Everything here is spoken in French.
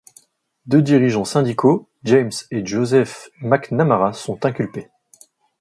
Deux dirigeants syndicaux, James et Joseph McNamara sont inculpés.